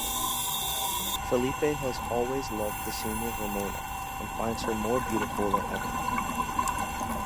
Felipe has always loved the senior Ramona and finds her more beautiful than ever.